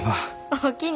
おおきに。